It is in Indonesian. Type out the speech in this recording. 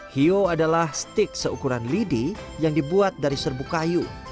hiyo adalah stik seukuran lidi yang dibuat dari serbu kayu